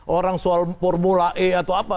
orang soal formula e atau apa